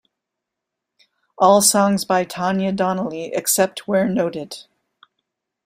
"All songs by Tanya Donelly, except where noted"